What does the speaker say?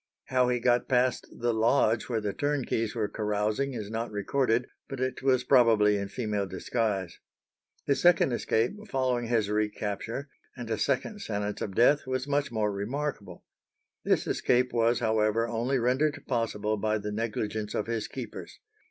How he got past the lodge where the turnkeys were carousing is not recorded, but it was probably in female disguise. His second escape, following his recapture, and a second sentence of death, was much more remarkable. This escape was, however, only rendered possible by the negligence of his keepers.